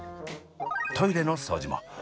トイレの掃除も。